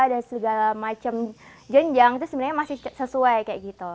dan segala macam jenjang itu sebenarnya masih sesuai kayak gitu